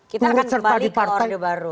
kita akan kembali ke orde baru